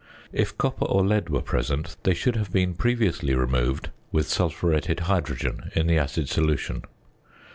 If copper or lead were present, they should have been previously removed with sulphuretted hydrogen in the acid solution.